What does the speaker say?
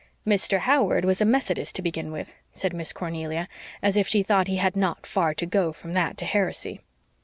"Mr. Howard was a Methodist to begin with," said Miss Cornelia, as if she thought he had not far to go from that to heresy.